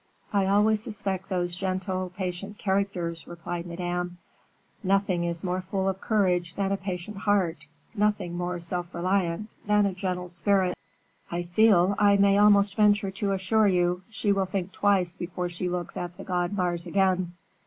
"I always suspect those gentle, patient characters," replied Madame. "Nothing is more full of courage than a patient heart, nothing more self reliant than a gentle spirit." "I feel I may almost venture to assure you she will think twice before she looks at the god Mars again."